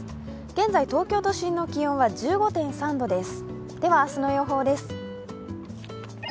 現在、東京都心の気温は１５．３度です。